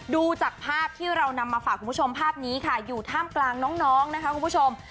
ดูจากภาพที่เรานำมาฝากคุณผู้ชมภาพนี้ค่ะอยู่ท่ามกลางน้องนะคะคุณผู้ชม